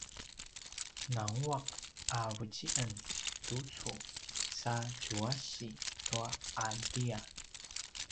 nangua’ a vuci’en tucu sa djuasi tua ’atia